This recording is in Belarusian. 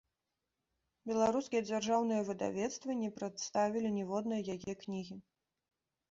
Беларускія дзяржаўныя выдавецтвы не прадставілі ніводнай яе кнігі.